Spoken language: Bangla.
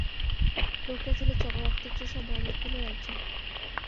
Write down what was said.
লোকটা ছিল রক্তচোষা বড়লোকগুলোর একজন।